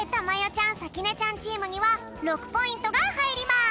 ちゃんさきねちゃんチームには６ポイントがはいります。